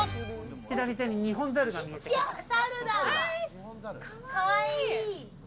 左手にニホンザルが見えてきかわいい！